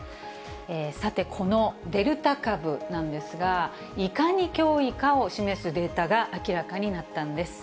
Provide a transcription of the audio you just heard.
さて、このデルタ株なんですが、いかに脅威かを示すデータが明らかになったんです。